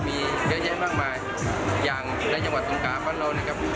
มีเยอะแยะมากมายอย่างในจังหวัดสงขาบ้านเรานะครับ